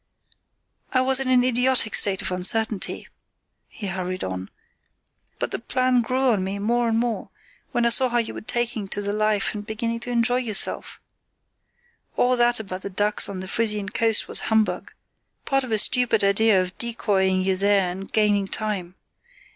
"I was in an idiotic state of uncertainty," he hurried on; "but the plan grew on me more and more, when I saw how you were taking to the life and beginning to enjoy yourself. All that about the ducks on the Frisian coast was humbug; part of a stupid idea of decoying you there and gaining time.